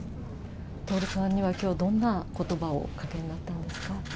徹さんにはきょうどんなことばをおかけになったんですか？